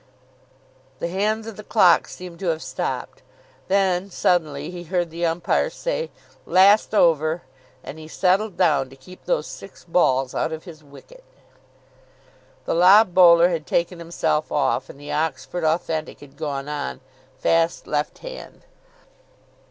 The hands of the clock seemed to have stopped. Then suddenly he heard the umpire say "Last over," and he settled down to keep those six balls out of his wicket. The lob bowler had taken himself off, and the Oxford Authentic had gone on, fast left hand.